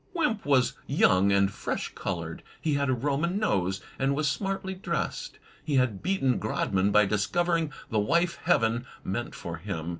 Wimp was young and fresh colored. He had a Roman nose, and was smartly dressed. He had beaten Grodman by discovering the wife Heaven meant for him.